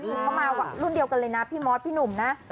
นี่เขามารุ่นเดียวกันเลยนะพี่มอสพี่หนุ่มนะ